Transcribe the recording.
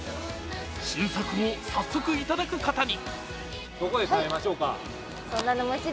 新作を早速いただくことに。